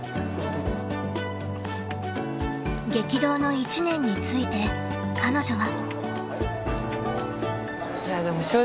［激動の１年について彼女は］